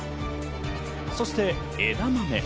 そして枝豆。